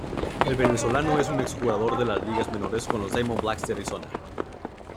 El venezolano es un ex jugador de ligas menores con los Diamondbacks de Arizona.